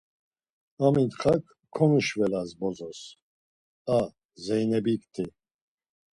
Amitxak konuşvelas bozos!”a Zeynebikti.